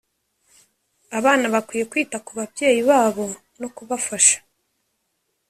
Abana bakwiye kwita ku babyeyi babo no kubafasha